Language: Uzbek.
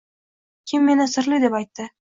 “Kim meni sirli deb aytdi.”